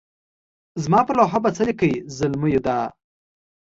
زما پر لوحه به لیکئ زلمیو دا.